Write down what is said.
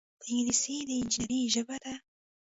انګلیسي د انجینرۍ ژبه ده